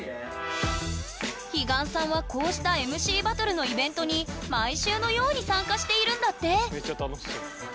彼岸さんはこうしたＭＣバトルのイベントに毎週のように参加しているんだって。